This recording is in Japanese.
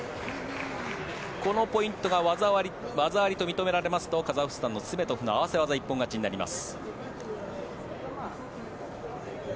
このポイントが技ありと認められますとカザフスタンのスメトフの合わせ技一本勝ちになります。